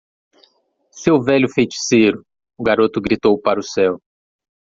"Seu velho feiticeiro?" o garoto gritou para o céu.